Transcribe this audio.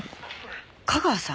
架川さん？